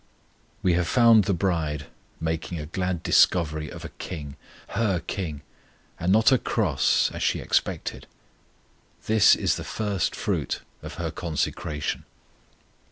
We have found the bride making a glad discovery of a KING her KING and not a cross, as she expected; this is the first fruit of her consecration.